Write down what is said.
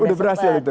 udah berhasil itu